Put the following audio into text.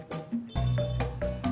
aku mau pergi